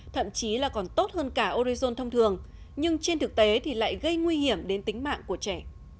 thậm chí là còn tốt hơn cả orizon thông thường nhưng trên thực tế thì lại gây nguy hiểm đến tính mạng của trẻ